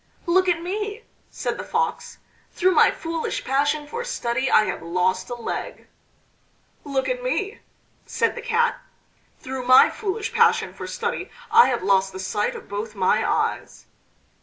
"Look at me!" said the Fox. "Through my foolish passion for study I have lost a leg." "Look at me!" said the Cat. "Through my foolish passion for study I have lost the sight of both my eyes."